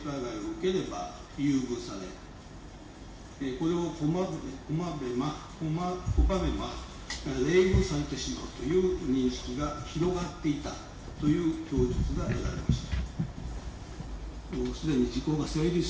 これを拒めば冷遇されてしまうという認識が広がっていたという供述が得られました。